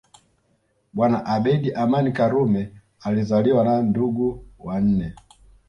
Bwana Abeid Amani Karume alizaliwa na ndugu wanne